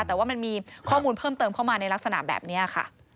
แต่ว่ามันมีข้อมูลเพิ่มเติมเข้ามาในลักษณะแบบนี้ค่ะ